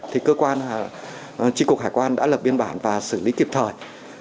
thì cơ quan tri cục hải quan đã lập biên bản và xử lý kịp thời